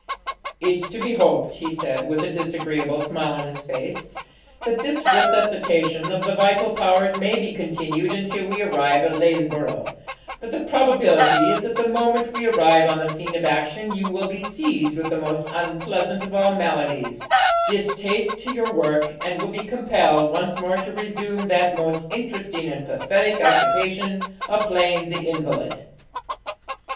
'It's to be hoped,' he said, with a disagreeable smile on his face, 'that this resuscitation of the vital powers may be continued until we arrive at Lesborough', but the probability is that the moment we arrive on the scene of action, you will be seized with that most unpleasant of all maladies, distaste to your work, and will be compelled once more to resume that most interesting and pathetic occupation of playing the invalid!'